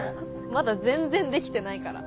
まだ全然できてないから。